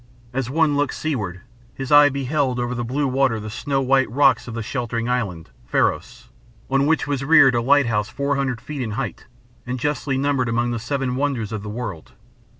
As one looked seaward his eye beheld over the blue water the snow white rocks of the sheltering island, Pharos, on which was reared a lighthouse four hundred feet in height and justly numbered among the seven wonders of the world.